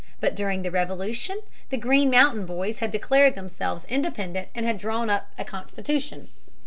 But during the Revolution the Green Mountain Boys had declared themselves independent and had drawn up a constitution.